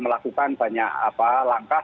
melakukan banyak langkah